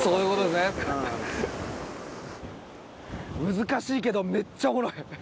難しいけどめっちゃおもろい！